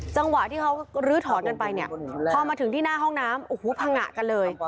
จังหวะที่เขาลื้อถอนกันไปเนี่ยพอมาถึงที่หน้าห้องน้ำโอ้โหพังงะกันเลย